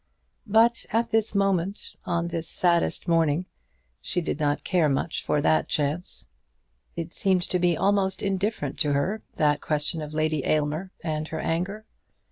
But at this moment, on this saddest morning, she did not care much for that chance. It seemed to be almost indifferent to her, that question of Lady Aylmer and her anger.